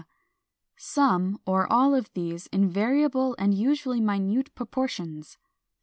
some or all of these in variable and usually minute proportions.